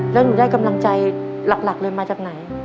แล้วหนูได้กำลังใจหลักเลยมาจากไหน